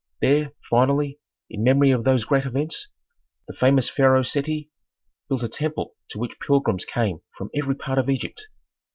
There, finally, in memory of those great events, the famous pharaoh Seti built a temple to which pilgrims came from every part of Egypt.